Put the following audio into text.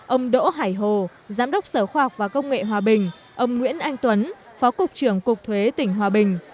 ông đỗ hải hồ giám đốc sở khoa học và công nghệ hòa bình ông nguyễn anh tuấn phó cục trưởng cục thuế tỉnh hòa bình